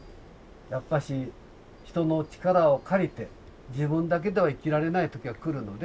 やっぱし人の力を借りて自分だけでは生きられない時が来るので。